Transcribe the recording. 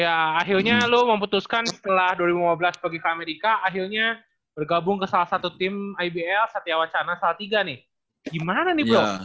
ya akhirnya lo memutuskan setelah dua ribu lima belas pergi ke amerika akhirnya bergabung ke salah satu tim ibl satya wacana salah tiga nih gimana nih blok